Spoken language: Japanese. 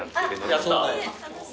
やったー。